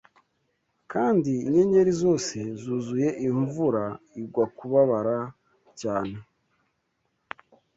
Kandi inyenyeri zose zuzuye imvura igwa kubabara cyane